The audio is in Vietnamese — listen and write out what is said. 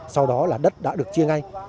sau đó là đất đã được chia ngay